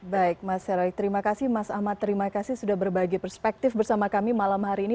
baik mas heroik terima kasih mas ahmad terima kasih sudah berbagi perspektif bersama kami malam hari ini